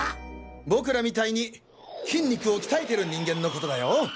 僕らみたいに筋肉を鍛えてる人間のことだよ。